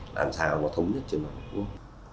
làm sao có thống nhất trên mặt quốc